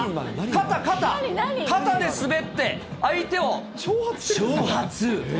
肩、肩、肩で滑って相手を挑発。